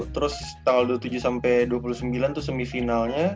terus tanggal dua puluh tujuh sampai dua puluh sembilan tuh semifinalnya